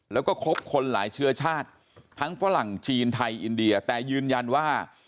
แล้วก็ครบคนหลายเชื้อชาติทั้งฝรั่งจีนไทยอินเดียแต่ยืนยันว่า